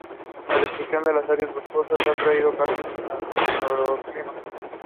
The announcement was made at an event in Menlo Park.